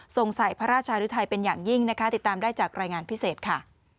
ส่งใส่พระราชหรือไทยเป็นอย่างยิ่งนะคะติดตามได้จากรายงานพิเศษค่ะ